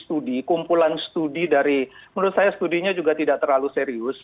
studi kumpulan studi dari menurut saya studinya juga tidak terlalu serius